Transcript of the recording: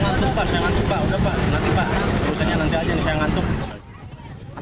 namun sejumlah warung di pinggir jalan